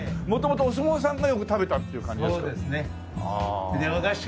元々お相撲さんがよく食べたっていう感じですか？